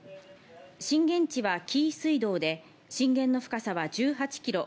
震源地は紀伊水道で震源の深さは１８キロ。